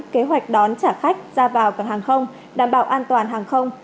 kế hoạch đón trả khách ra vào cảng hàng không đảm bảo an toàn hàng không